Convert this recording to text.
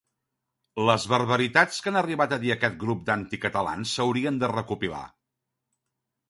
Les barbaritats que han arribat a dir aquest grup d'anticatalans s'haurien de recopilar.